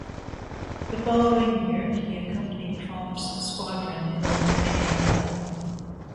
The following year, he accompanied Tromp's squadron in the Mediterranean.